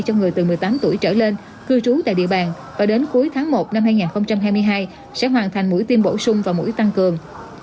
cho người từ một mươi tám tuổi trở lên cư trú tại địa bàn và đến cuối tháng một năm hai nghìn hai mươi hai sẽ hoàn thành mũi tiêm bổ sung vào mũi tăng cường